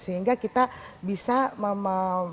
sehingga kita bisa membangun